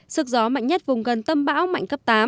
sức gió mạnh nhất vùng gần tâm bão mạnh cấp tám